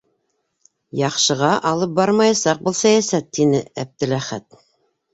Яҡшыға алып бармаясаҡ был сәйәсәт, - тине Әптеләхәт.